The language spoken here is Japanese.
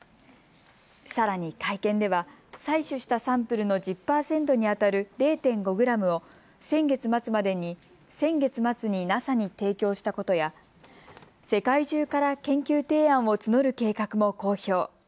さらに会見では採取したサンプルの１０％にあたる０．５グラムを先月末にＮＡＳＡに提供したことや、世界中から研究提案を募る計画も公表。